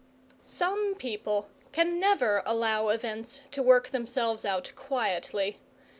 Some people can never allow events to work themselves out quietly.